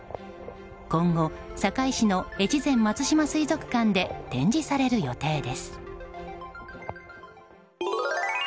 今後、坂井市の越前松島水族館で展示される予定です。